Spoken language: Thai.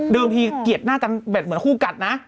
เดิมทีเหงียจหน้ากันเหมือนคู่กัดนะ